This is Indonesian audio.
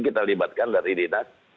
kita libatkan dari dinas